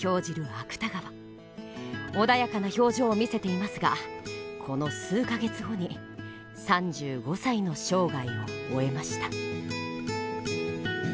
穏やかな表情を見せていますがこの数か月後に３５歳の生涯を終えました。